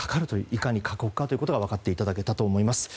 いかに過酷か分かっていただけたと思います。